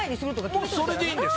もうそれでいいんです。